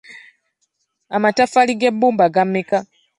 Amataffaali g'ebbumba ga mmeka?